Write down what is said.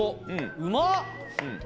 うまっ！